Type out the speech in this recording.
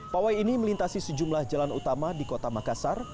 pawai ini melintasi sejumlah jalan utama di kota makassar